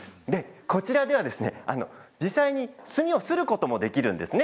こちらでは実際に墨をすることもできるんです。